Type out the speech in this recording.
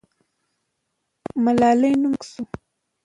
ملالۍ نوم ورک سو.